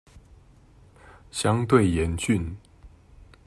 相對嚴峻